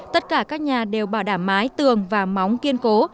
tất cả các nhà đều bảo đảm mái tường và móng kiên cố